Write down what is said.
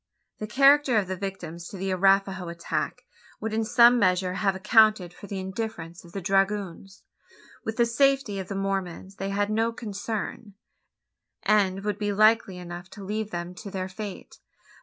The character of the victims to the Arapaho attack would in some measure have accounted for the indifference of the dragoons. With the safety of the Mormons they had no concern; and would be likely enough to leave them to their fate.